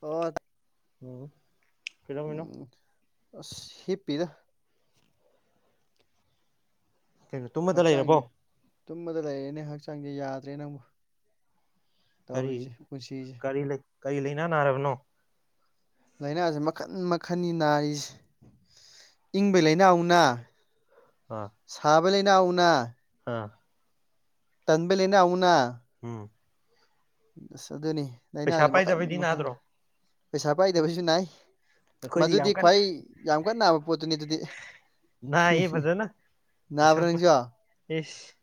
ꯍꯣ ꯎꯝ ꯀꯩꯗꯧꯃꯤꯅꯣ ꯑꯁ ꯍꯤꯞ ꯄꯤꯗ ꯀꯩꯅꯣ ꯇꯨꯝꯃꯗ ꯍꯛꯆꯥꯡꯖꯦ ꯂꯩꯔꯕꯣ ꯇꯨꯝꯕꯗ ꯂꯩꯔꯦꯅꯦ ꯍꯛꯆꯥꯡ ꯆꯪꯗꯦ ꯌꯥꯗ꯭ꯔꯦ ꯅꯪꯕꯨ ꯀꯔꯤ ꯇꯧꯔꯤꯁꯦ ꯄꯨꯟꯁꯤꯁꯦ ꯀꯔꯤ ꯂꯩ ꯀꯔꯤ ꯂꯩꯅꯥ ꯅꯥꯔꯕꯅꯣ ꯂꯥꯏꯅꯥꯁꯦ ꯃꯈꯟ ꯃꯈꯟꯒꯤ ꯅꯥꯔꯤꯁꯦ ꯏꯪꯕꯩ ꯂꯥꯏꯅꯥ ꯑꯃꯨꯛ ꯅꯥ ꯑꯥ [unintelligible] ꯑ ꯇꯟꯕꯩ ꯂꯩꯅꯥ ꯑꯃꯨꯛ ꯅꯥ ꯎꯝ ꯑꯂ ꯑꯗꯨꯅꯦ ꯄꯩꯁꯥ ꯂꯩꯅꯥꯁꯦ ꯃꯈꯟ ꯄꯥꯏꯗꯕꯩꯗꯤ ꯃꯈꯟꯅꯤ ꯅꯥꯗ꯭ꯔꯣ ꯄꯩꯁꯥ ꯄꯥꯏꯗꯕꯩꯁꯨ ꯅꯥꯏ ꯑꯩꯈꯣꯏꯗꯤ ꯃꯗꯨꯗꯤ ꯌꯥꯝ ꯀꯟꯅ ꯈ꯭ꯋꯥꯏ ꯌꯥꯝ ꯀꯟꯅ ꯅꯥꯕ ꯄꯣꯠꯇꯨꯅꯤ ꯑꯗꯨꯗꯤ ꯅꯥꯏꯌꯦ ꯐꯖꯅ ꯄꯩꯁꯥ ꯅꯥꯕ꯭ꯔꯥ ꯄꯥꯏ ꯅꯡꯖꯨ ꯏꯁ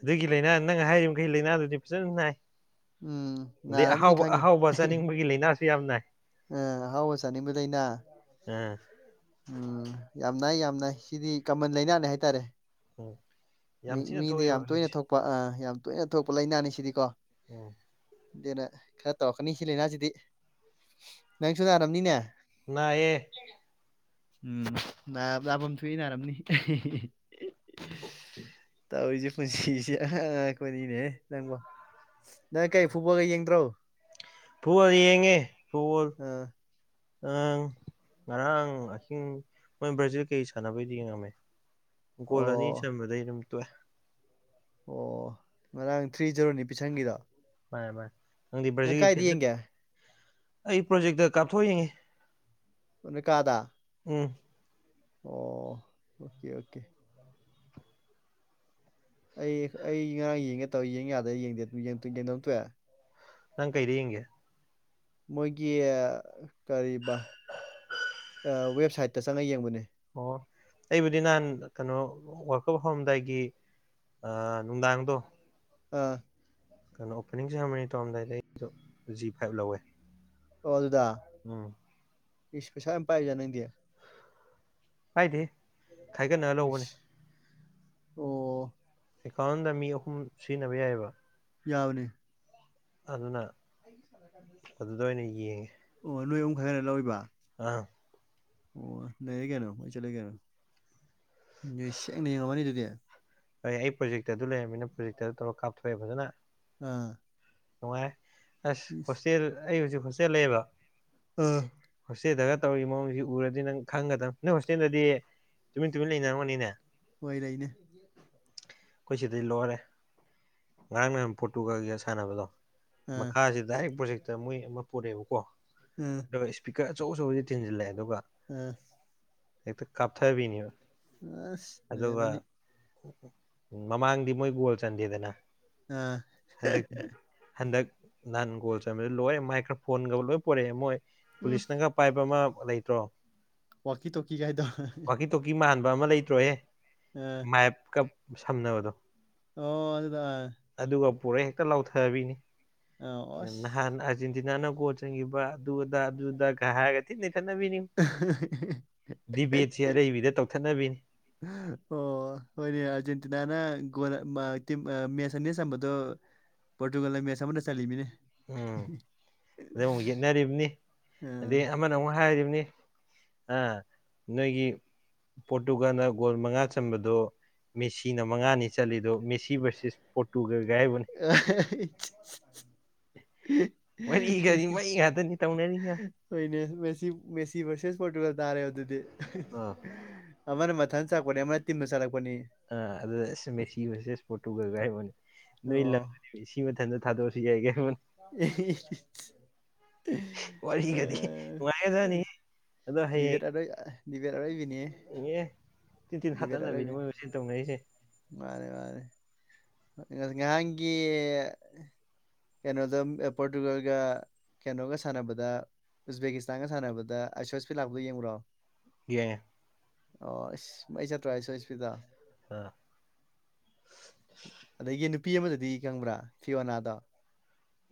ꯑꯗꯨꯒꯤ ꯂꯥꯏꯅꯥ ꯅꯪ ꯍꯥꯏꯔꯤꯕꯩꯒꯩ ꯂꯥꯏꯅꯥꯗꯨꯗꯤ ꯐꯖꯅ ꯅꯥꯏ ꯎꯝ ꯑꯗꯩ ꯅꯥꯔꯝꯅꯤ ꯑꯍꯥꯎꯕ ꯈꯪꯉꯤ ꯑꯍꯥꯎꯕ ꯆꯥꯅꯤꯡꯕꯒꯤ ꯂꯥꯏꯅꯥꯁꯨ ꯌꯥꯝ ꯅꯥꯏ ꯑ ꯑꯍꯥꯎꯕ ꯆꯥꯅꯤꯡꯕ ꯂꯩꯥꯏꯅ ꯑ ꯎꯝ ꯌꯥꯝ ꯅꯥꯏ ꯌꯥꯝ ꯅꯥꯏ ꯁꯤꯗꯤ ꯀꯃꯟ ꯂꯥꯏꯅꯥꯅꯦ ꯍꯥꯏꯇꯥꯔꯦ ꯎꯝ ꯃꯤ ꯌꯥꯝ ꯊꯤꯅ ꯃꯤꯗꯤ ꯊꯣꯛꯑꯦꯕ ꯌꯥꯝ ꯇꯣꯏꯅ ꯍꯧꯖꯤꯛꯁꯦ ꯊꯣꯛꯄ ꯑ ꯌꯥꯝ ꯇꯣꯏꯅ ꯊꯣꯛꯄ ꯂꯥꯏꯅꯥꯅꯤ ꯁꯤꯗꯤꯀꯣ ꯎꯝ ꯑꯗꯨꯅ ꯈꯔ ꯇꯧꯔꯛꯀꯅꯤ ꯁꯤ ꯂꯥꯏꯅꯥꯁꯤꯗꯤ ꯅꯪꯁꯨ ꯅꯥꯔꯥꯝꯅꯤꯅꯦ ꯅꯥꯑ‌ꯦ ꯎꯝ ꯅꯥꯐꯝ ꯊꯣꯛꯏ ꯅꯥꯔꯝꯅꯤ ꯇꯧꯔꯤꯁꯦ ꯄꯨꯟꯁꯤꯁꯦ ꯑ ꯀꯣꯏꯅꯤꯅꯦꯍꯦ ꯅꯪꯕꯣ ꯅꯪ ꯀꯔꯤ ꯐꯨꯠꯕꯣꯜꯒ ꯌꯦꯡꯗ꯭ꯔꯣ ꯄꯗꯤ ꯌꯦꯉ‌ꯦ ꯑꯥ ꯑꯪ ꯉꯔꯥꯡ ꯑꯍꯤꯡ ꯃꯣꯏ ꯕ꯭ꯔꯥꯖꯤꯜ ꯀꯩ ꯁꯥꯟꯅꯕꯩꯗꯤ ꯌꯦ ꯉꯝꯃꯦ ꯀꯣꯂꯅꯤ ꯑꯣ ꯁꯃꯗ ꯇ ꯑꯣ ꯉꯔꯥꯡ ꯊ꯭ꯔꯤ ꯖꯦꯔꯣꯅꯤ ꯄꯤꯁꯪꯒꯤꯗ ꯥꯏ ꯃꯥꯥꯏ ꯈꯪꯗꯤ ꯕ꯭ꯔꯥꯖꯤꯜꯒꯤ ꯐꯦꯟ ꯅꯠꯇꯦ ꯑꯩ ꯄ꯭ꯔꯣꯖꯦꯛꯇ ꯀꯥꯞꯊꯣꯛ ꯌꯦꯡꯏꯤ ꯎꯟꯅ ꯀꯥꯗ ꯎꯝ ꯑꯣ ꯑꯣꯀꯦ ꯑꯣꯀꯦ ꯑꯩ ꯑꯩ ꯉꯔꯥꯡ ꯌꯦꯡꯉꯦ ꯇꯧ ꯌꯦꯡ ꯌꯥꯗ꯭ꯔ ꯌꯦꯡꯗꯦ ꯌꯦꯡꯗꯧ ꯇꯣꯏꯑꯦ ꯅꯪ ꯀꯩꯔꯤ ꯏꯒꯦ ꯃꯣꯏꯒꯤ ꯀꯔꯤꯕ ꯋꯦꯕꯁꯥꯏꯠꯇ ꯆꯪꯉꯒ ꯌꯦꯡꯕꯅꯦ ꯑꯣ ꯑꯩꯕꯨꯗꯤ ꯅꯍꯥꯟ ꯀꯩꯅꯣ ꯋꯥꯔꯀꯞ ꯍꯧꯔꯝꯗꯥꯏꯒꯤ ꯅꯨꯡꯗꯥꯡꯗꯣ ꯑꯝ ꯀꯩꯅꯣ ꯑꯣꯄꯅꯤꯡ ꯁꯦꯔꯥꯃꯣꯅꯤ ꯇꯧꯔꯝꯗꯥꯏꯗ ꯑꯩꯗꯣ ꯖꯤ ꯐꯥꯏꯚ ꯂꯧꯋꯦ ꯍ ꯑꯗꯨ ꯎꯝ ꯏꯁꯤꯁ ꯄꯩꯁꯥ ꯄꯥꯏꯖꯅꯤꯡꯗꯤꯦ ꯍꯥꯏꯥꯏꯗꯤ ꯈꯥꯏꯒꯠꯅ ꯂꯧꯕꯅꯦ ꯏꯁ ꯑꯣ ꯑꯦꯀꯥꯎꯟꯗ ꯃꯤ ꯑꯍꯨꯝ ꯁꯤꯖꯤꯟꯅꯕ ꯌꯥꯏꯑꯕ ꯌꯥꯎꯅꯤ ꯑꯗꯨꯅ ꯑꯗꯨꯗ ꯑꯣꯏꯅ ꯌꯦꯡꯉꯦ ꯑꯣꯅ ꯍꯣꯏ ꯍꯦꯟꯅ ꯂꯧꯕ ꯑꯥ ꯑꯣ ꯂꯩꯔ ꯀꯩꯅꯣ ꯑꯩꯣꯏ ꯆꯠꯂ ꯀꯩꯅꯣ ꯁꯦꯡꯅ ꯌꯦꯉꯃꯅꯤ ꯑꯗꯨꯗꯤ ꯍꯣꯏ ꯑꯩ ꯄ꯭ꯔꯣꯖꯦꯛꯇꯔ ꯑꯗꯨ ꯂꯩꯔꯝꯃꯤꯅ ꯄ꯭ꯔꯣꯖꯦꯛꯇ ꯑꯗꯨ ꯇꯧꯔꯒ ꯀꯥꯞꯊꯣꯛꯑꯦ ꯐꯖꯅ ꯑꯥ ꯇꯨꯡꯉꯥꯏ ꯑ ꯍꯣꯁꯇꯦꯜ ꯑꯩ ꯍꯧꯖꯤꯛ ꯍꯣꯁꯇꯦꯜ ꯂꯩꯕ ꯑꯝ ꯍꯣꯁꯇꯦꯜꯗꯒ ꯇꯧꯔꯤꯕ ꯃꯑꯣꯡꯁꯤ ꯎꯔꯗꯤ ꯅꯪ ꯈꯪꯒꯗꯕ ꯅꯣꯏ ꯍꯣꯁꯇꯦꯜꯗꯗꯤ ꯇꯨꯃꯤꯟ ꯇꯨꯃꯤꯟ ꯂꯩꯅꯔꯝꯒꯅꯤꯅꯦ ꯑꯣꯏꯣꯏꯔꯏꯅꯦ ꯑꯩꯈꯣꯏ ꯁꯤꯗꯩ ꯂꯣꯏꯔꯦ ꯉꯔꯥꯡ ꯅ ꯄꯣꯠꯇꯨꯒꯒꯒ ꯁꯥꯟꯅꯕꯗꯣ ꯑꯥ ꯃꯈꯥꯁꯤ ꯗꯥꯏꯔꯦꯛ ꯄ꯭ꯔꯣꯖꯦꯛꯇ ꯃꯣꯏ ꯑꯃ ꯅꯦꯕꯀꯣ ꯑꯥ ꯁꯄꯤ ꯀ ꯑꯆꯧ ꯑꯆꯧꯕꯗꯤ ꯊꯤꯟꯖꯤꯜꯂꯛꯦ ꯑꯗꯨꯒ ꯑꯥ ꯍꯦꯛꯇ ꯀꯥꯞꯊꯕꯤꯅꯦꯕ ꯑꯁ ꯑꯗꯨꯒ ꯂꯩꯔꯝꯃꯅꯤ ꯎ ꯃꯃꯥꯡꯗꯤ ꯃꯣꯏ ꯒꯣꯜ ꯆꯟꯗꯦꯗꯅ ꯑꯥ ꯍꯟꯗꯛ ꯍꯟꯗꯛ ꯅꯍꯥꯟ ꯒꯣꯜ ꯆꯟꯕꯗ ꯂꯣꯏꯔꯦ ꯃꯥꯏꯀ꯭ꯔꯣꯐꯣꯟꯒꯕ ꯂꯣꯏ ꯄ ꯄꯨꯣꯔꯛꯑꯦ ꯃꯣꯏ ꯎꯝ ꯄꯨꯂꯤꯁꯅꯅꯥꯀ ꯄꯥꯏꯕ ꯑꯃ ꯂꯩꯇ꯭ꯔꯣ ꯋꯥꯀꯤ ꯇꯀꯤ ꯀꯥꯏꯗ ꯋꯥꯀꯤ ꯇꯣꯀꯤ ꯃꯥꯟꯕ ꯑꯃ ꯂꯩꯇ꯭ꯔꯣꯍꯦ ꯃꯥꯏ ꯀꯞ ꯁꯝꯅꯕꯗꯣ ꯑꯣ ꯑꯗꯨꯗ ꯄꯨꯔꯩ ꯍꯦꯛꯇ ꯂꯧꯊ ꯍꯥꯏꯕꯤꯅꯤ ꯑꯣꯁ ꯅꯍ ꯑꯖꯤ ꯅꯥꯅ ꯀꯣ ꯆꯪꯈꯤꯕ ꯑꯗꯨꯗ ꯑꯗꯨꯗꯒ ꯍꯥꯏꯔꯒ ꯊꯤꯅ ꯊꯠꯅꯕꯤꯅꯤ ꯗꯤꯕꯦꯠꯁꯦ ꯑꯔꯩꯕꯤꯗ ꯇꯧ ꯊꯅꯕꯤꯅꯤ ꯑꯣ ꯍꯣꯏꯅꯦ ꯑꯥꯔꯖꯦꯟꯇꯤꯅꯥꯅꯒꯣ ꯃꯦꯠꯁ ꯑꯅꯤꯅ ꯆꯝꯕꯗꯣ ꯄꯣꯔꯇꯨꯒꯜꯗ ꯃꯦꯠꯁ ꯑꯃꯗ ꯆꯜꯂꯤꯠꯃꯤꯅꯦ ꯎꯝ ꯑꯗꯩ ꯑꯃꯨꯛ ꯌꯦꯠꯅꯔꯤꯕꯅꯤ ꯑꯥ ꯑꯗꯩ ꯑꯃꯅ ꯑꯃꯨꯛ ꯍꯥꯏꯔꯤꯕꯅꯤ [inaudible] ꯅꯣꯏꯒꯤ ꯄꯣꯔꯇꯨꯒꯥꯟꯅ ꯒꯣꯜ ꯃꯉꯥ ꯆꯟꯕꯗꯣ ꯃꯦꯁꯤꯅ ꯃꯉꯥꯅꯤ ꯆꯠꯂꯤꯗꯣ ꯃꯦꯁꯤ ꯚꯔꯁꯁ ꯄꯣꯔꯇꯨꯒꯜ ꯋꯥꯔꯤꯒꯗꯤ ꯃꯩ ꯉꯥꯛꯇꯅꯤ ꯇꯧꯅꯔꯤ ꯃꯌꯥꯝꯁꯦ ꯅꯦ ꯃꯦꯁꯤ ꯃꯦꯁꯤꯔꯁꯦꯁ ꯄꯣꯇꯨꯒ ꯇꯔꯦ ꯑꯣꯏ ꯑꯗꯨꯗꯤ ꯑꯥ ꯑꯅ ꯃꯊꯪ ꯆ ꯇꯤꯟꯕꯆꯥꯥꯦ ꯑ ꯑ ꯑꯗꯨ ꯃꯦꯁꯤ ꯃꯦꯁ ꯐꯣꯨꯒ ꯀꯥꯏ ꯍꯣꯏꯅꯦ ꯅꯣꯏ ꯑꯣ ꯂ ꯁꯤ ꯃꯊꯟꯇ ꯊꯥꯗꯣꯛꯑꯁꯤ ꯁꯤ ꯌꯥꯒꯦ ꯎ ꯋꯥꯔꯤꯒꯗꯤ ꯅꯨꯡꯉꯥꯏꯒꯖꯥꯅꯤ ꯑꯗꯣ ꯍꯌꯦꯡ ꯕꯤꯕꯔ [unintelligible] ꯏꯍꯦ ꯇꯤꯟ ꯇꯤꯟ ꯍꯥꯠꯇꯅꯕꯤꯅꯤ ꯑꯔꯣꯏꯕꯤꯅꯤ ꯃꯣꯏ ꯃꯁꯦꯟ ꯇꯧꯅꯔꯤꯁꯦ ꯃꯥꯅꯦ ꯃꯥꯅꯦ ꯉꯍꯥꯟꯒꯤ ꯀꯩꯅꯣꯗ ꯄꯣꯔꯇꯨꯒꯜꯒ ꯀꯩꯅꯣꯒ ꯁꯥꯟꯅꯕꯗ ꯎꯁꯕꯦꯀꯤꯁꯇꯥꯟꯒ ꯁꯥꯟꯅꯕꯗ ꯑꯥꯁꯣ ꯏꯁꯄ꯭ꯤꯗ ꯂꯥꯛꯄꯗꯨꯣ ꯌꯦꯡꯕ꯭ꯔꯣ ꯌꯦꯡ ꯑꯦ ꯑꯣ ꯑꯁ ꯃꯩ ꯆꯠꯇꯔꯣ ꯏꯁꯣ ꯏꯁꯄꯤꯗ ꯇꯣ ꯑ ꯌꯦ ꯅꯨꯄꯤ ꯑꯃꯗꯗꯤ ꯈꯪꯕ꯭ꯔꯥ ꯐꯤꯌꯣꯅꯥꯗꯣ ꯎ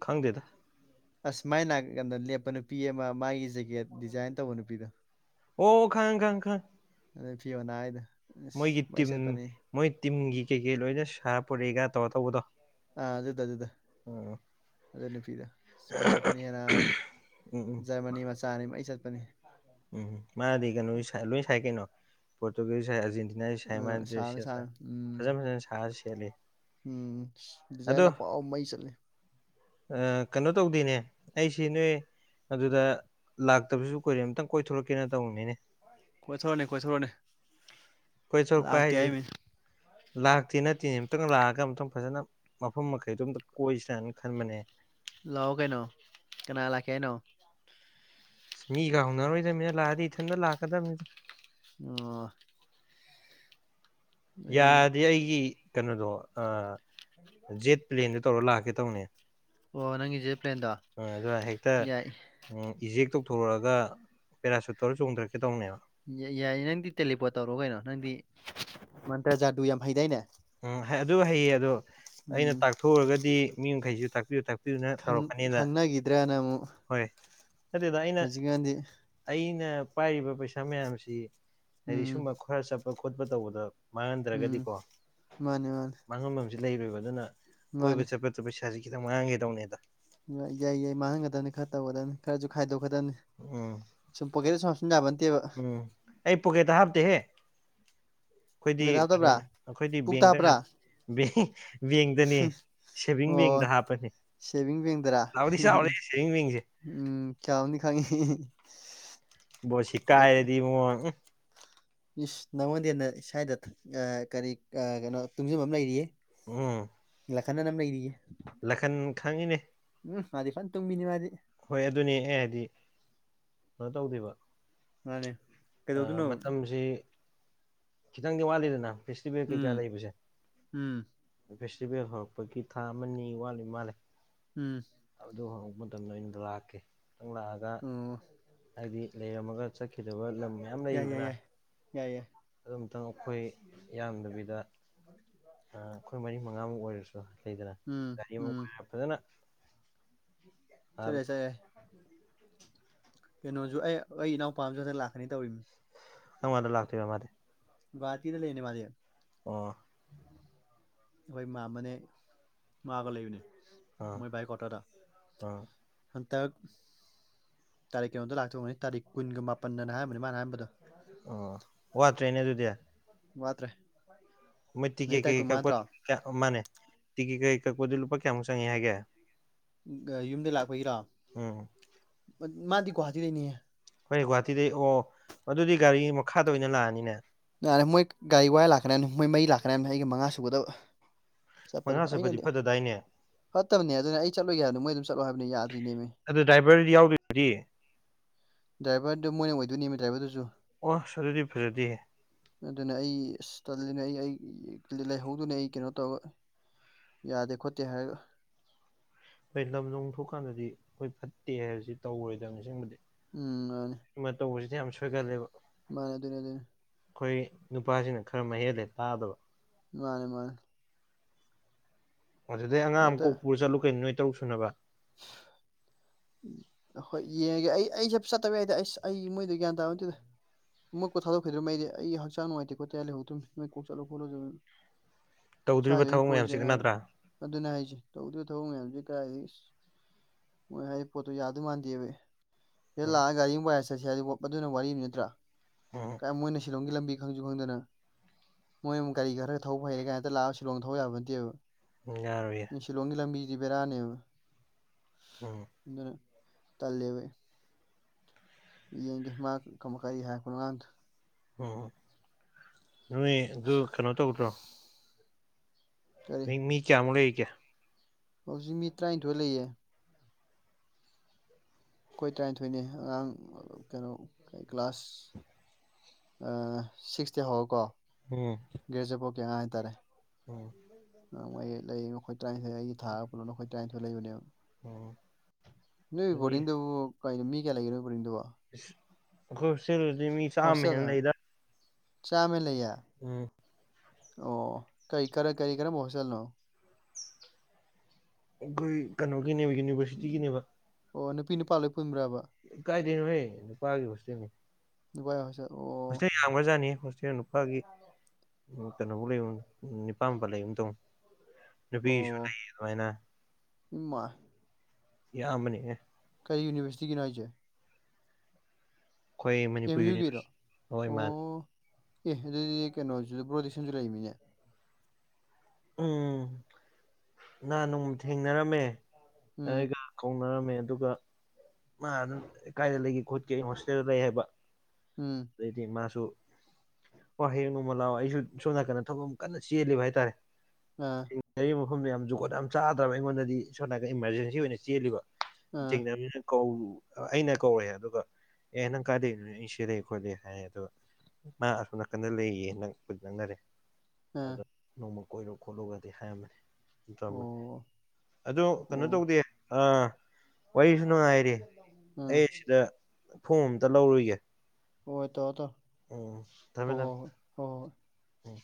ꯈꯪꯗꯦꯗ [inaudible] ꯑꯁ ꯃꯥꯏꯀꯟꯗ ꯂꯦꯞꯄ ꯅꯨꯄꯤ ꯑꯃ ꯃꯥꯒꯤ ꯖꯦꯀꯦꯠ ꯗꯤꯖꯥꯏꯟ ꯇꯧꯕ ꯅꯨꯄꯤꯗꯣ ꯑꯣ ꯈꯪꯉ ꯈꯉ ꯈꯪ ꯑꯗꯨꯅꯤ ꯐꯤꯌꯣꯅꯥ ꯍꯥꯏꯗꯨ ꯃꯣꯏꯒꯤ ꯇꯤꯝ ꯃꯣꯏ ꯇꯤꯝꯒꯤ ꯀꯩꯀꯩ ꯂꯣꯏꯅ ꯁꯥ ꯄꯨꯔꯤꯒ ꯇꯧꯔ ꯇꯧꯕꯗꯣ ꯑꯥ ꯑꯗꯨꯗ ꯑꯗꯨꯗ ꯎꯝ ꯑꯗꯨ ꯅꯨꯄꯤꯗ ꯃꯩ ꯆꯠꯄꯅꯤ ꯍꯦꯅꯕ ꯎꯝ ꯎꯝ ꯖꯔꯃꯅꯤ ꯃꯆꯥꯅꯤ ꯃꯩ ꯆꯠꯄ ꯄꯥꯅꯤ ꯎꯝ ꯃꯥꯗꯤ ꯀꯩꯅꯣ ꯂꯣꯏ ꯁꯥꯏ ꯀꯩꯅꯣ ꯄꯣꯇꯨꯒꯤꯁꯨ ꯁꯥꯏ ꯑꯔ ꯎꯝ ꯁꯥꯕꯅꯤ ꯁꯕꯥꯅꯤ ꯎꯝ ꯐꯖꯅ ꯁꯥꯔ ꯁꯦꯠꯂꯤ ꯎꯝ ꯑꯗꯣ ꯗꯤꯖꯥꯏꯟꯐꯥꯎꯕ ꯃꯩ ꯆꯠꯂꯦ ꯀꯩꯅꯣ ꯇꯧꯗꯦꯅꯦ ꯑꯩꯁꯤ ꯅꯣꯏ ꯑꯗꯨꯗ ꯂꯥꯛꯇꯕꯁꯨ ꯀꯨꯏꯔꯦ ꯑꯃꯇꯥꯪ ꯀꯣꯏ ꯊꯣꯛꯂꯛꯀꯦꯅ ꯇꯧꯅꯤꯅꯦ ꯀꯣꯏꯊꯣꯔꯅꯦ ꯀꯣꯏꯊꯣꯔꯅꯦ ꯀꯣꯏ ꯊꯣꯂꯛꯄ ꯂꯥꯛꯇꯦ ꯍꯥꯏꯁꯦ ꯍꯥꯏꯃꯤ ꯂꯥꯛꯇꯦ ꯅꯠꯇꯦꯅꯦ ꯑꯝꯛꯇꯪ ꯂꯥꯛꯑꯒ ꯑꯃꯇꯪ ꯐꯖꯅ ꯃꯐꯝ ꯃꯈꯩꯗꯣ ꯑꯝꯇ ꯀꯣꯏꯁ꯭ꯔꯥ ꯍꯥꯏꯅ ꯈꯟꯕꯅꯦ ꯂꯑꯣ ꯀꯩꯅꯣ ꯀꯅꯥ ꯂꯥꯛꯀꯦ ꯍꯥꯏꯩꯅꯣ ꯁꯃꯤꯜ ꯒꯥꯎꯅꯔꯣꯏꯗꯕꯅꯤꯅ ꯂꯥꯛꯑꯗꯤ ꯏꯊꯟꯗ ꯂꯥꯛ ꯀꯗ ꯃꯤ ꯑꯣ ꯑꯩ ꯌꯥꯗꯦ ꯑꯩꯒꯤ ꯀꯩꯅꯣꯗꯣ ꯖꯦꯠ ꯄꯂ꯭ꯦꯟ ꯗꯨ ꯇꯧꯔ ꯂꯥꯛꯀꯦ ꯇꯧꯅꯦ ꯑꯣ ꯅꯪꯒꯤꯁꯦ ꯄ꯭ꯂꯦꯟꯗꯣ ꯑꯗꯨꯅ ꯍꯦꯛꯇ ꯌꯥꯏ ꯏꯖꯦꯛ ꯇꯧꯊꯣꯔꯛꯑꯒ ꯄꯦꯔꯥꯁꯨꯨꯠꯇꯧꯔꯥ ꯆꯣꯡꯊꯔꯛꯀꯦ ꯇꯧꯅꯦꯕ ꯌꯥꯏꯌꯦ ꯅꯪꯗꯤ ꯇꯦꯂꯤꯄꯣꯔꯠ꯭ ꯇꯧꯔꯣ ꯀꯩꯅꯣ ꯅꯪꯗꯤ ꯃꯟꯇ꯭ꯔ ꯖꯥꯗꯨ ꯌꯥꯝ ꯐꯩꯗꯥꯅꯦ ꯎꯝ ꯑꯗꯨ ꯍꯩꯌꯦ ꯑꯗꯣ ꯑꯩꯅ ꯎꯝ ꯇꯥꯛꯊꯣꯛꯎꯔꯒꯗꯤ ꯃꯤ ꯃꯈꯩꯁꯨ ꯇꯥꯛꯄꯤꯌꯨ ꯇꯥꯛꯄꯤꯌꯨ ꯈꯪ ꯈꯡꯅꯒꯤꯗ꯭ꯔꯥ ꯅ ꯃꯨꯛ ꯅꯠꯇ‌ꯦꯗ ꯑꯩꯅ ꯑꯩ ꯑꯩꯅ ꯄꯥꯏꯔꯤꯕ ꯄꯩꯁꯥ ꯃꯌꯥꯝꯁꯤ ꯍꯥꯏꯗꯤ ꯎꯝ ꯁꯨꯝꯕ ꯈꯔ ꯆꯞ ꯈꯣꯠꯄ ꯇꯧꯕꯗ ꯃꯥꯡꯍꯟꯗ꯭ꯔꯒꯗꯤꯀꯣ ꯃꯥꯅꯦ ꯃꯥꯅꯦ ꯍꯧꯖꯤꯛ ꯂꯩꯔꯣꯏꯕ ꯑꯗꯨꯅ ꯀꯣꯏꯕ ꯆꯠꯄ ꯆꯠꯄꯁꯤ [unintelligible] ꯈꯤꯇ ꯉꯥꯡꯒꯦ ꯗꯧꯅꯦꯗ ꯌꯥꯏ ꯌꯥꯏ ꯃꯥꯡꯍꯟꯒꯗꯅꯤ ꯈꯔ ꯇꯧꯒꯗꯅꯤ ꯈꯔꯁꯨ ꯎꯝ ꯈꯥꯏꯗꯣꯛ [unintelligible] ꯎꯝ ꯑꯩ ꯄ‌ꯣꯛꯀ‌ꯦꯠꯇ ꯍꯥꯞ ꯇ‌ꯦꯍ‌ꯦ ꯑꯩꯈꯣꯏꯗꯤ ꯄꯣꯀꯦꯠ ꯍꯥꯞꯇꯕ꯭ꯔꯥ ꯀꯩꯅꯣꯅꯦ ꯑꯩꯈꯣꯏꯗꯤ ꯄꯨꯛꯇ ꯕꯦꯡꯇ ꯍꯥꯞꯄ꯭ꯔꯥ ꯉꯥꯛ ꯕꯦꯡ [unintelligible] ꯑꯣ ꯍꯥꯞꯄꯅꯤ ꯁꯦꯚꯤꯡ ꯕꯦꯡꯗꯔꯥ ꯆꯥꯎꯗꯤ ꯆꯥꯎꯔꯦ ꯁꯦꯚꯤꯡ ꯕꯦꯡꯁꯦ ꯎꯝ ꯆꯥꯎꯅꯤ ꯈꯪꯉꯤ ꯕ‌ꯣꯁꯤ ꯀꯥꯏꯔꯗꯤ ꯏꯕꯨꯡꯉ‌ꯣ ꯏꯁ ꯅꯉꯣꯟꯗꯩ ꯍ‌ꯦꯟꯅ ꯁ꯭ꯋꯥꯏꯗ ꯑ ꯀꯔꯤ ꯑ ꯀꯩꯅꯣ ꯇꯨꯡꯖꯟꯕ ꯑꯃ ꯂꯩꯔꯤꯌꯦ ꯎꯝ ꯂꯥꯈꯟ ꯅ ꯑꯃ ꯂꯩꯔꯤꯌꯦ ꯂꯥꯈꯟ ꯈꯪꯉꯤꯅꯦ ꯎꯝ ꯃꯥꯗꯤ ꯐꯖꯟ ꯇꯨꯝꯕꯤꯅꯤ ꯃꯥꯗꯤ ꯍꯣꯏ ꯑꯗꯨꯅꯦ ꯑꯩ ꯍꯥꯏꯗꯤ ꯀꯩꯅꯣ ꯇꯧꯗꯦꯕ ꯃꯥꯅꯦ ꯑ ꯀꯩꯗꯧꯗꯣꯏꯅꯣ ꯃꯇꯝꯁꯤ ꯈꯤꯇꯪꯗꯤ ꯋꯥꯠꯂꯤꯗꯅ ꯐ‌ꯦꯁꯇꯤꯕ‌ꯦꯜ ꯀꯩꯀꯥ ꯎꯝ ꯂꯩꯕꯁꯦ ꯎꯝ ꯐꯦꯁꯇꯤꯚꯦꯜ ꯍꯧꯔꯛꯄꯒꯤ ꯊꯥ ꯑꯃ ꯑꯅꯤ ꯋꯥꯠꯂꯤ ꯃꯥꯜꯂꯦ ꯎꯝ ꯑꯗꯨ ꯍꯥꯎ ꯃꯇꯝꯗꯣ ꯑꯩ ꯅꯣꯏ ꯌꯨꯝꯗ ꯂꯥꯛꯀꯦ [unintelligible] ꯂꯥꯛꯑꯒ ꯑꯣ ꯍꯥꯏꯗꯤ ꯂꯩꯔꯝꯃꯒ ꯆꯠꯈꯤꯗꯕ ꯃꯌꯥꯝ ꯌꯥꯏ ꯌꯥꯏ ꯂꯩꯗꯅ ꯌꯥꯏ ꯌꯥꯏ ꯌꯥꯏ ꯑꯗꯨꯝꯇꯪ ꯑꯩꯈꯣꯏ ꯌꯥꯝꯗꯕꯤꯗ ꯑꯩꯈꯣꯏ ꯃꯔꯤ ꯃꯉꯥꯃꯨꯛ ꯑꯣꯏꯔꯁꯨ ꯂꯩꯗꯅ ꯒꯥꯔꯤꯃꯨꯛ ꯑꯣꯏꯔ ꯐꯖꯅ ꯁꯔꯦ ꯁꯔ ꯀꯩꯅꯣꯁꯨ ꯑꯩ ꯑꯩ ꯏꯅꯥꯎꯄꯥꯝꯁꯨ ꯍꯗ ꯂꯥꯛꯀꯅꯤ ꯇꯧꯔꯤꯅꯤ ꯗ ꯂꯥꯛꯇꯕ ꯃꯥꯗꯤ ꯕꯥꯇꯤꯗ ꯂ ꯂꯩꯅꯦ ꯃꯥꯦ ꯑꯣ ꯑꯩꯈꯣꯏ ꯃꯥꯃꯅꯦ ꯃꯥꯒ ꯂꯩꯕꯅꯦ ꯑꯥ ꯃꯣꯏ ꯏ ꯀꯠꯇꯗ ꯑꯥ ꯇꯛ ꯇꯥꯔꯤꯛ ꯀꯩꯅꯣꯝꯇ ꯂꯥꯛꯆꯧꯕꯅꯤ ꯇꯥꯔꯤꯛ ꯀꯨꯟꯒ ꯃꯥꯄꯟꯗꯅ ꯍꯥꯏꯝꯕꯅꯤ ꯃꯥꯅ ꯍꯥꯏꯝꯕꯗꯣ ꯑꯣ ꯋꯥꯠꯇ꯭ꯔꯦꯅꯦ ꯑꯗꯨꯗꯤ ꯋꯥꯇ꯭ꯔꯦ ꯃꯣꯏ ꯇꯦ ꯀ ꯀ ꯃ ꯇꯦ ꯀ ꯀꯛꯄꯗꯤ ꯂꯨꯄꯥ ꯀꯌꯥꯨꯛꯪꯉꯦ ꯍꯥꯏꯒꯦ ꯌꯨꯝꯗ ꯂꯥꯛꯄꯒꯤꯔꯣ ꯎꯝ ꯃꯥꯗꯤꯒꯨꯍꯥꯇꯤ ꯂꯩꯅꯤ ꯍꯣꯏ ꯒꯨꯍꯥꯇꯤꯗꯒꯤꯩ ꯑꯣ ꯑꯗꯨꯗꯤ ꯒꯥꯔꯤ ꯃꯈꯥꯗ ꯑꯣꯏꯅ ꯂꯥꯛꯑꯅꯤꯅꯦ ꯌꯥꯔꯦ ꯃꯣꯏ ꯒꯥꯔꯤ ꯋꯥꯏ ꯂꯥꯛꯈ꯭ꯔꯦꯕꯅ ꯃꯣꯏ ꯃꯩ ꯂꯥꯛꯀ꯭ꯔꯥꯕꯅ ꯑꯩꯒꯤ ꯃꯉꯥ ꯁꯨꯒꯗꯕ ꯆꯠꯄꯗꯣ ꯃꯉꯥ ꯆꯠꯄꯗꯤ ꯑꯩꯅꯗꯤ ꯐꯗꯗꯥꯏꯅꯦ ꯐꯠꯇꯕꯅꯦ ꯑꯗꯨꯅ ꯑꯩ ꯆꯠꯂꯨꯒꯦ ꯍꯥꯏꯕꯗꯣ ꯃꯣꯏ ꯑꯗꯨꯝ ꯆꯠꯂꯣ ꯍꯥꯏꯕ ꯑꯗꯨꯅꯌꯥ ꯑꯗꯨ ꯗ꯭ꯔꯥꯏꯚꯔꯗꯤ ꯌꯥꯎꯗꯣꯏꯗꯤ ꯗ꯭ꯔꯥꯏꯚꯔꯗ ꯃꯣꯏꯅ ꯑꯣꯏꯗꯣꯏꯅꯦꯃꯤ ꯗ꯭ꯔꯥꯏꯕꯔꯗꯨꯁꯨ ꯑꯣ ꯁꯔꯗꯤ ꯐꯔꯦꯗꯤꯍꯦ ꯑꯗꯨꯅ ꯑꯩ ꯑꯁ ꯇꯜꯂꯤꯅ ꯑꯩ ꯑꯩ ꯂꯩꯍꯧꯗꯨꯅ ꯑꯩ ꯀꯩꯅꯣ ꯇꯧꯔꯒ ꯌꯥꯗꯦ ꯈꯣꯠꯇꯦ ꯍꯥꯏꯔꯒ ꯍꯣꯏ ꯂꯝꯗꯣꯡ ꯊꯣꯛꯀꯥꯟꯗꯗꯤ ꯑꯩꯈꯣꯏ ꯐꯠꯇꯦ ꯍꯥꯏꯕꯁꯤ ꯇꯧꯔꯔꯣꯏꯗꯕ ꯅꯤꯡꯁꯤꯡꯕꯗꯤ ꯎꯝ ꯑꯗꯨꯅꯤ ꯑ ꯑꯃꯁꯁ ꯑꯣꯏꯒ ꯂꯩꯦꯣ ꯔ ꯑꯗꯨꯔ ꯑꯗꯨ ꯑꯗꯨꯔ ꯑꯩꯈꯣꯏ ꯅꯨꯄꯥꯁꯤꯅ ꯈꯔ ꯃꯍ ꯍꯦꯜꯂꯦ ꯇꯥꯗꯕ ꯃꯥꯅꯦ ꯃꯥꯅꯦ ꯑꯗꯨꯗꯩ ꯑꯉꯥꯡ ꯑꯃ ꯍꯦꯛꯇ ꯀꯣꯛꯄꯨꯔ ꯆꯠꯂꯨ ꯀꯩꯅꯣꯅ‌ꯦ ꯇꯧ ꯁꯨꯅꯕ [unintelligible] ꯎ ꯍꯣꯏ ꯌꯦꯡꯉꯒꯦ ꯑꯩ ꯑꯩꯁꯦ ꯆꯠꯇꯕ ꯌꯥꯏꯗꯗꯤ ꯑꯁ ꯑꯩ ꯃꯣꯏꯗ ꯒ꯭ꯌꯥꯟ ꯇꯥꯕ ꯑꯗꯨꯗ ꯃꯣꯏ ꯀꯣ ꯊꯥꯗꯣꯛꯈꯤꯗꯧꯩꯗꯤ ꯑꯩ ꯍꯛꯆꯥꯡ ꯅꯨꯡꯉꯥꯏꯇꯦ ꯈꯣꯠꯇ ꯂꯩꯍꯧꯗꯣꯅꯤ ꯅꯣꯏ ꯀꯣꯛ ꯆꯠꯂꯣ ꯈꯣꯠꯂꯣꯗꯧꯅꯤ ꯁ ꯇꯧꯗꯣꯔꯤꯕ ꯑꯩꯅ ꯊꯕꯛ ꯃꯌꯥꯝꯁꯤꯒ ꯀꯣꯏꯁꯦꯅ ꯅꯠꯇ꯭ꯔꯥ ꯑꯗꯨꯅꯦ ꯍꯥꯏꯁꯦ ꯇꯧꯗ ꯊꯧꯃꯌꯥꯝꯖꯤ ꯀꯥꯏ ꯃꯣꯏ ꯍꯥꯏ ꯄꯣꯠꯇꯣ ꯌꯥꯗꯣꯏ ꯃꯥꯟꯗꯦꯕ ꯎꯝ ꯍ‌ꯦꯂꯥꯑꯥ ꯒꯥꯔꯤ ꯄꯁꯦ ꯆꯠꯁ ꯍꯥꯏꯗꯤ ꯑꯗꯨꯅ ꯋꯥꯔꯤꯅꯤ ꯅꯠꯇ꯭ꯔꯥ ꯎꯝ ꯀ ꯃꯣꯏꯅ ꯁꯤꯂꯣꯡꯒꯤ ꯂꯝꯕꯤ ꯈꯪꯖꯨ ꯈꯪꯗꯅ ꯃꯣꯏ ꯑꯃꯨꯛ ꯒꯥꯔꯤ ꯈꯔ ꯊꯧꯕ ꯍꯩꯔꯦ ꯀꯥꯏ ꯍꯦꯇ ꯂꯥꯛꯑꯒ ꯁꯤꯂꯣꯡ ꯊꯧꯕ ꯌꯥꯕ ꯅꯠꯇꯦꯕ꯫ ꯎꯝ ꯌꯥꯔꯣꯏꯌꯦ ꯁꯤꯂꯣꯡꯒꯤ ꯂꯝꯕꯤ ꯖꯤ ꯕꯦꯔꯥꯅꯦꯕ꯫ ꯎꯝ꯫ ꯑꯗꯨꯅ ꯇꯜꯂꯦꯕ ꯑꯩ꯫ ꯌꯦꯡꯒꯦ ꯃ ꯥ ꯀꯔꯤ ꯍꯥꯏꯔꯛꯄꯅꯣ [unintelligible] ꯎꯝ꯫ ꯅꯣꯏ ꯑꯗꯨ ꯀꯩꯅꯣ ꯇꯧꯗ꯭ꯔꯣ꯫ ꯀꯔꯤ ꯃꯤ ꯃꯤ ꯀꯌꯥꯃꯨꯛ ꯂꯩ [unintelligible] ꯍꯧꯖꯤꯛ ꯃꯤ ꯇ꯭ꯔꯥꯏꯟꯊꯣꯏ ꯂꯩꯌꯦ꯫ ꯑꯩꯈꯣꯏ ꯇꯔꯥꯅꯤꯊꯣꯏꯅꯦ ꯑꯉꯥꯡ ꯀꯩꯅꯣ ꯀ꯭ꯂꯥꯁ ꯑ ꯁꯤꯛꯁꯇꯩ ꯍꯧꯔꯒꯀꯣ ꯎꯝ꯫ ꯍꯥꯏꯇꯥꯔꯦ꯫ ꯎꯝ [inaudible] ꯅꯪ ꯃ ꯂꯩ ꯅꯈꯣꯏ ꯇꯔꯥꯟꯊꯣꯏ ꯑꯩꯒꯤ ꯊꯥꯔꯒ ꯄꯨꯜꯂ ꯅꯈꯣꯏ ꯇꯔꯥꯟꯊꯣꯏ ꯂꯩꯕꯅꯦꯕ꯫ ꯎꯝ ꯑꯗꯨꯗꯤ [unintelligible] ꯀꯩꯅꯣ ꯃꯤ ꯀꯌꯥ ꯂꯩꯒꯦ ꯅꯣꯏ ꯕ꯭ꯔꯣꯗꯤꯡꯗꯨꯕꯣ꯫ ꯑꯩꯈꯣꯏ ꯍꯣꯁꯇꯦꯜ ꯃꯤ ꯃꯤ ꯆꯥꯝꯃ ꯍꯣꯁꯇꯦꯜꯗ ꯍꯦꯟꯅ ꯂꯩꯗꯥ꯫ ꯆꯥꯝꯃ ꯂꯩꯌꯦ꯫ ꯎꯝ꯫ ꯑꯣ ꯀꯔꯤ ꯀꯔ ꯀꯔꯤ ꯀꯔꯝꯕ ꯍꯣꯁꯇꯦꯜꯅꯣ꯫ ꯑꯩꯈꯣꯏ ꯀꯩꯅꯣ [unintelligible] ꯌꯨꯅꯤꯕꯔꯁꯤꯇꯤꯒꯤꯅꯦꯕ ꯑꯣ ꯅꯨꯄꯤ ꯅꯨꯄꯥ ꯂꯣꯏ ꯄꯨꯟꯕ꯭ꯔꯕ ꯀꯥꯏꯗꯩꯅꯣꯍꯩ ꯅꯨꯄꯥꯒꯤ ꯍꯣꯁꯇꯦꯜꯅꯤ꯫ ꯥꯅꯨꯄꯥꯏ ꯍꯣꯁꯇꯦꯜ꯫ ꯑꯣ ꯍꯣꯁꯇꯦꯜ ꯌꯥꯝꯈ꯭ꯔꯖꯥꯠꯅꯤ ꯍꯣꯁꯇꯦꯜ ꯅꯨꯄꯥꯒꯤ꯫ ꯎꯝ ꯀꯩꯅꯣꯕꯣꯛ ꯂꯩꯕꯅꯤ ꯅꯤꯄꯥꯟ ꯃꯥꯄꯟ ꯂꯩꯒꯨꯝ ꯇꯧꯕꯅꯤ꯫ ꯅꯨꯄꯤꯒꯤꯁꯨ ꯑꯣ ꯂꯩꯌꯦ ꯑꯗꯨꯃꯥꯏꯅ꯫ ꯏꯃꯥ ꯌꯥꯝꯕꯅꯦꯍꯦ꯫ ꯀꯔꯤ ꯌꯨꯅꯤꯚꯔꯁꯤꯇꯤꯒꯤꯅꯣ ꯍꯥꯏꯖꯦ꯫ ꯑꯩꯈꯣꯏ ꯃꯅꯤꯄꯨꯔ ꯌꯨꯒꯤꯔꯣ ꯌꯨꯅꯤꯚꯔꯁꯤ ꯍꯣꯏ ꯃꯥꯅꯦ꯫ ꯑꯣ ꯑꯦ ꯑꯗꯨꯗꯤ ꯀꯩꯅꯣ ꯄ꯭ꯔꯣꯗꯤꯁꯟꯁꯨ ꯂꯩꯃꯤꯅꯦ ꯎꯝ ꯅꯍꯥꯟ ꯅꯣꯡ ꯊꯦꯡꯅꯔꯝꯃꯦ ꯑꯦ ꯎꯝ ꯀ ꯀꯧꯅ ꯃꯦ ꯑꯗꯨꯒ ꯃꯥ ꯑꯗꯨꯝ ꯀꯥꯏꯗ ꯂꯩꯒꯦ ꯈꯣꯠꯀꯦ ꯍꯣꯁꯇꯦꯜ ꯂꯩ ꯍꯥꯏꯕ ꯎꯝ ꯑꯗꯩꯗꯤ ꯃꯥꯁꯨ ꯍ ꯍꯌꯦꯡ ꯅꯣꯡꯃ ꯂꯥꯛꯑꯣ ꯑꯩꯁꯨ ꯁꯣꯝ ꯅꯥꯀꯟꯗ ꯊꯕꯛ ꯑꯃ ꯀꯟꯅ ꯆꯦꯜꯂꯤꯕ ꯍꯥꯏꯇꯥꯔꯦ ꯑꯥ ꯃꯐꯝꯗ ꯌꯥꯝ ꯖꯒꯣꯠ ꯌꯥꯝ ꯆꯥꯗ꯭ꯔꯕ ꯑꯩꯉꯣꯟꯗꯗꯤ ꯏꯁꯣꯝ ꯅꯥꯀ ꯏꯃꯥꯔꯖꯦꯟꯁꯤ ꯑꯣꯏꯅ ꯆꯦꯜꯂꯤꯀꯣ ꯑꯥ [unintelligible] ꯀꯧ ꯑꯩꯅ ꯀꯧꯔꯦ ꯑꯗꯨꯒ ꯑꯦ ꯅꯪ ꯀꯥꯏꯗꯩ ꯑꯩ ꯁꯤꯦꯂꯦ ꯈꯣꯠꯂꯦ ꯍꯥꯏꯔꯦ ꯑꯗꯣ ꯃꯥ ꯑꯁꯣꯝ ꯅꯥꯀꯟꯗ ꯂꯩꯌꯦ ꯅꯛꯄ ꯅꯛꯅꯔꯦ ꯑꯗ ꯑꯥ ꯅꯣꯡꯃꯣ ꯀꯣꯏꯔꯨ ꯈꯣꯠꯂꯨꯒꯗꯤ ꯍꯥꯏꯔꯝꯃꯅꯤ ꯊꯃꯦ ꯑꯣ ꯑꯗꯣ ꯀꯩꯅꯣ ꯑꯣ ꯇꯧꯗꯦ ꯑ ꯋꯥꯏꯁꯨꯉꯥꯏ ꯑꯩ ꯎꯝ ꯁꯤꯗ ꯐꯣꯝ ꯑꯝꯇ ꯂꯧꯔꯨꯒꯦ ꯑꯣꯏ ꯇꯧ ꯇꯧ ꯎꯝ ꯊꯃꯦ ꯍꯣꯏ ꯎꯝ